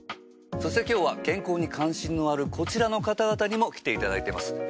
そして今日は健康に関心のあるこちらの方々にも来ていただいてます。